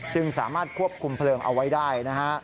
สามารถควบคุมเพลิงเอาไว้ได้นะฮะ